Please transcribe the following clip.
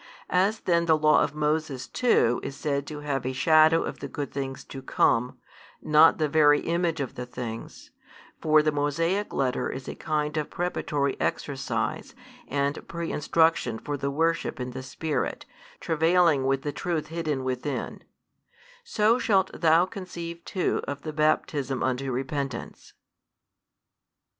As then the law of Moses too is said to have a shadow of the good things to come, not the very image of the things (for the Mosaic letter is a kind of preparatory exercise and pre instruction for the worship in the Spirit, travailing with the truth hidden within), so shalt thou conceive too of the baptism unto repentance.